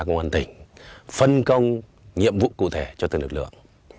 công an tỉnh phân công nhiệm vụ cụ thể cho từng lực lượng